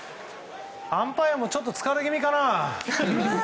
アンパイアもちょっと疲れ気味かな？